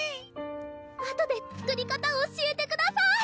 あとで作り方教えてください